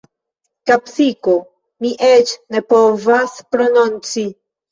Kapsiko... mi eĉ ne povas prononci.